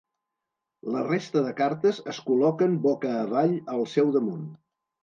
La resta de cartes es col·loquen boca avall al seu damunt.